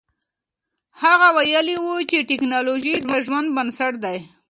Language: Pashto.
هغه ویلي و چې تکنالوژي د ژوند بنسټ دی.